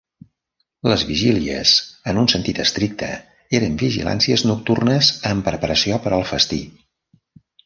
Les vigílies, en un sentit estricte, eren vigilàncies nocturnes en preparació per al festí.